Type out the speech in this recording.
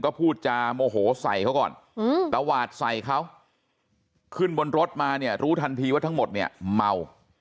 ก็พูดจาโมโหใส่เขาก่อนตวาดใส่เขาขึ้นบนรถมาเนี่ยรู้ทันทีว่าทั้งหมดเนี่ยเมา